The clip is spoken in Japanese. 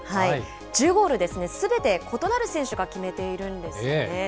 １０ゴールすべて異なる選手が決めているんですよね。